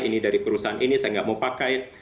ini dari perusahaan ini saya nggak mau pakai